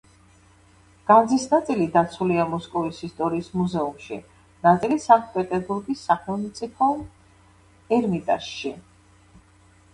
განძის ნაწილი დაცულია მოსკოვის ისტორიის მუზეუმში, ნაწილი, სანქტ-პეტერბურგის სახელმწიფო ერმიტაჟში.